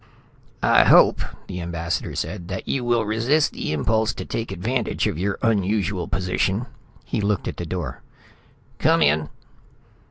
"I hope," the ambassador said, "that you will resist the impulse to take advantage of your unusual position." He looked at the door. "Come in."